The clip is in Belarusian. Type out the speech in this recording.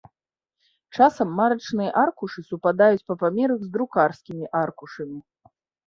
Часам марачныя аркушы супадаюць па памерах з друкарскімі аркушамі.